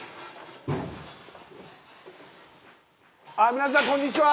皆さんこんにちは。